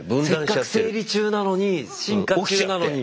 せっかく整理中なのに進化中なのに。